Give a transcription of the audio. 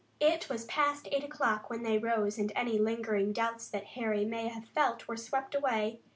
It was past eight o'clock when they rose and any lingering doubts that Harry may have felt were swept away.